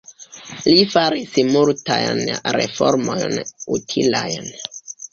Li faris multajn reformojn utilajn.